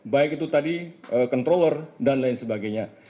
baik itu tadi controller dan lain sebagainya